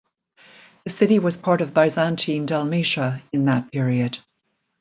The city was part of Byzantine Dalmatia in that period.